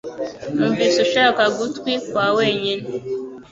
numvise ushaka gutwi kwa wenyine -